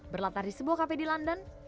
berlatar di sebuah kafe di london